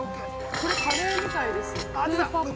これ、カレーみたいです。